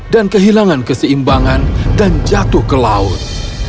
dan kehilangan keseimbangan dan jatuh ke laut